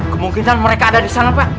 kemungkinan mereka ada disana pak